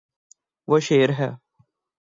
وہ شیر ہے